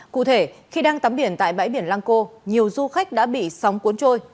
cụ thể khi đang tắm biển tại bãi biển lang co nhiều du khách đã bị sóng cuốn trôi